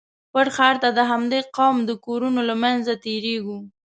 پټ ښار ته د همدې قوم د کورونو له منځه تېرېږو.